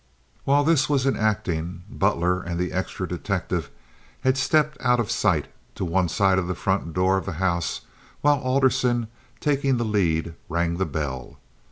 While this was enacting, Butler and the extra detective had stepped out of sight, to one side of the front door of the house, while Alderson, taking the lead, rang the bell.